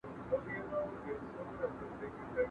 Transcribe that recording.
د ګرمو وینو یو غورځنګ پکار و.